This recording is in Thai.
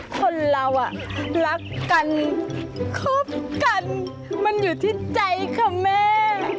คนเรารักกันคบกันมันอยู่ที่ใจค่ะแม่